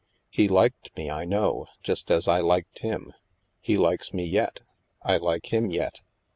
He liked me, I know, just as I liked him. He likes me yet ; I like him yet.